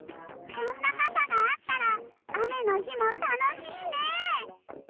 こんなかさがあったらあめのひもたのしいね！